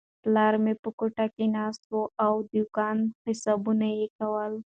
پلار مې په کوټه کې ناست و او د دوکان حسابونه یې کول.